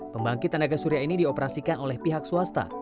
pembangkit tenaga surya ini dioperasikan oleh pihak swasta